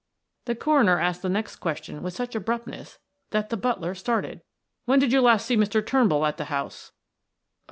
The coroner asked the next question with such abruptness that the butler started. "When did you last see Mr. Turnbull at the house?"